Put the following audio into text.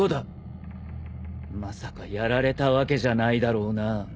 まさかやられたわけじゃないだろうな。